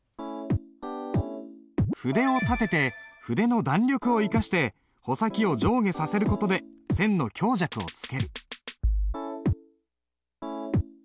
筆を立てて筆の弾力を生かして穂先を上下させる事で線の強弱をつける。